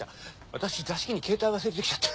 私座敷にケータイ忘れてきちゃった。